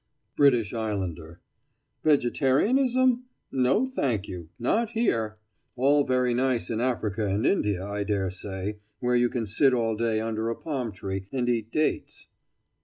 BRITISH ISLANDER: Vegetarianism? No thank you; not here! All very nice in Africa and India, I dare say, where you can sit all day under a palm tree and eat dates.